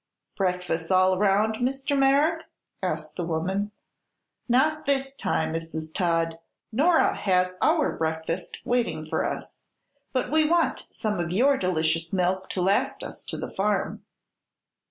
"Breakfas' all 'round, Mr. Merrick?" asked the woman. "Not this time, Mrs. Todd. Nora has our breakfast waiting for us. But we want some of your delicious milk to last us to the farm."